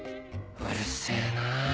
うるせえな。